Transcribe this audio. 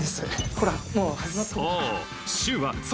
ほらもう始まって。